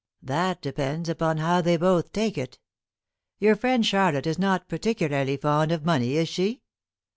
"That depends upon how they both take it. Your friend Charlotte is not particularly fond of money, is she?"